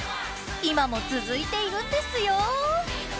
今も続いているんですよ！